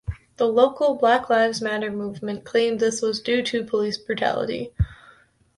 The local Black Lives Matter movement claimed this was due to police brutality.